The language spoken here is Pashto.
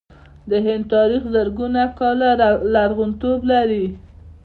د هند تاریخ زرګونه کاله لرغونتوب لري.